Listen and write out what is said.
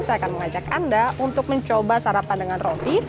saya akan mengajak anda untuk mencoba sarapan dengan roti